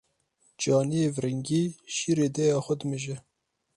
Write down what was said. Caniyê viringî şîrê dêya xwe dimije.